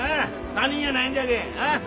他人やないんじゃけん。